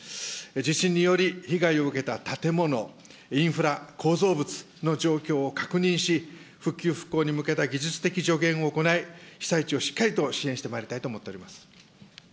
地震により被害を受けた建物、インフラ、構造物の状況を確認し、復旧・復興に向けた技術的助言を行い、被災地をしっかりと支援してまいりたいと思っております。